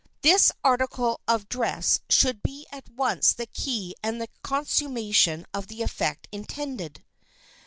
This article of dress should be at once the key and the consummation of the effect intended."